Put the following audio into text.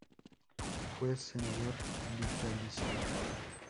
Fue senador vitalicio.